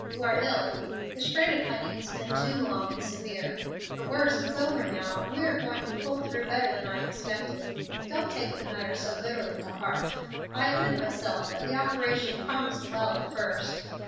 You are ill. The strain upon you has been too long and severe. The worst is over now, and we are going to pull through better than I expected. Don't take the matter so bitterly to heart. I admit myself that the operation promised well at first.